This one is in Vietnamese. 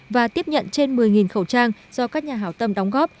và tiếp nhận trên một mươi khẩu trang do các nhà hảo tâm đóng góp